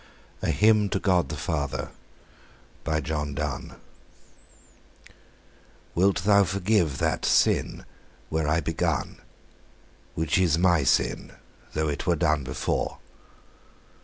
A HYMN TO GOD THE FATHER. by John Donne I. WILT Thou forgive that sin where I begun, Which was my sin, though it were done before?